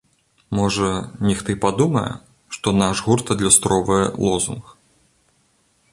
Можа, нехта і падумае, што наш гурт адлюстроўвае лозунг.